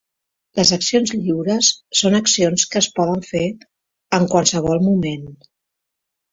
Les accions lliures són accions que es poden fer en qualsevol moment.